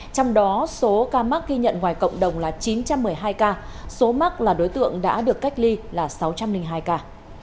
trong đó số ca mắc ghi nhận ngoài cộng đồng là chín trăm một mươi hai ca số mắc là đối tượng đã được cách ly là sáu trăm linh hai ca